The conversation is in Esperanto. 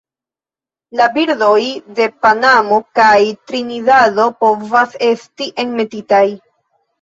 La birdoj de Panamo kaj Trinidado povas esti enmetitaj.